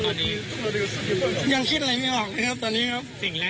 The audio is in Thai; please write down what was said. สิ่งที่เขาจะต้องทำให้กับเราทุกวันก็ไง